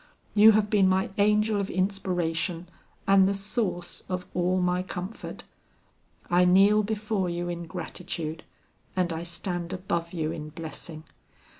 You have been my angel of inspiration and the source of all my comfort. I kneel before you in gratitude, and I stand above you in blessing.